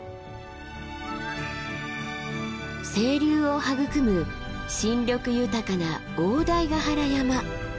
清流を育む新緑豊かな大台ヶ原山。